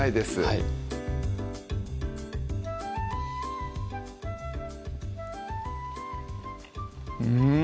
はいうん！